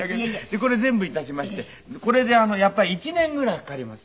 これ全部致しましてこれでやっぱり１年ぐらいかかります。